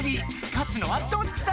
勝つのはどっちだ